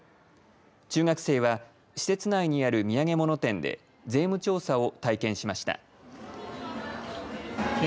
中学生は施設内にある土産物店で税務調査を体験しました。